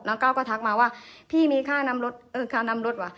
แล้วก็ก็ทักมาว่าพี่มีค่านำรถเออค่านำรถว่ะ